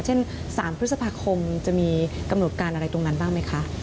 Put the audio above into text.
เช่น๓พฤษภาคมจะมีกำหนดการอะไรตรงนั้นบ้างไหมคะ